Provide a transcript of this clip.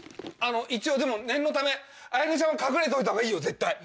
一応でも念のため綾音ちゃんは隠れておいたほうがいいよ絶対。